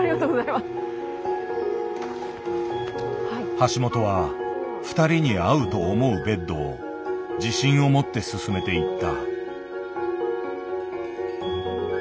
橋本は二人に合うと思うベッドを自信を持ってすすめていった。